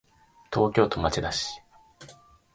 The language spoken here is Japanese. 東京都町田市